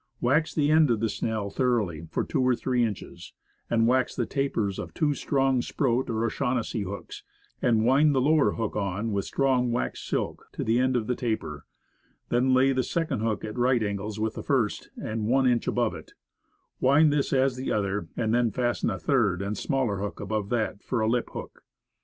Wax the end of the snell thoroughly for two or three inches, and wax the tapers of two strong Sproat or O'Shaughnessy hooks, and wind the lower hook on with strong, waxed silk, to the end of the taper; then lay the second hook at right angles with the first, and one inch above it; wind this as the other, and then fasten a third and smaller hook above that for a lip hook.